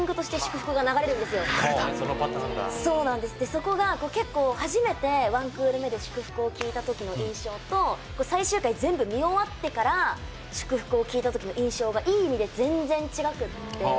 そこが、初めて、１クール目で『祝福』を聴いた時の印象と最終回、全部見終わってから『祝福』を聴いた時の印象がいい意味で全然違くて。